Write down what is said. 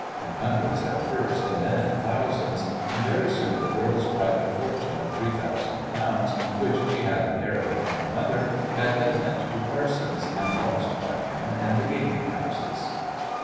In hundreds at first and then in thousands, and very soon the girl's private fortune of three thousand pounds, which she had inherited from her mother, had been lent to Parsons, and lost by him in the gaming houses.